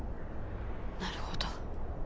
なるほど。